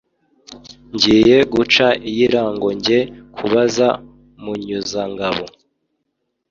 Ngiye guca iy' IrangoNjye kubaza Munyuzangabo